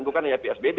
bukan hanya psbb